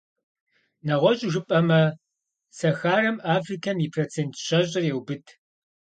Нэгъуэщӏу жыпӏэмэ, Сахарэм Африкэм и процент щэщӏыр еубыд.